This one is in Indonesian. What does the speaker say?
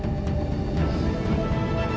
siara gua baru barn